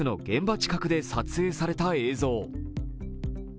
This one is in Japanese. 現場近くで撮影された映像。